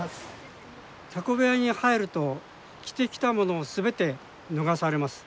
タコ部屋に入ると着てきたものを全て脱がされます。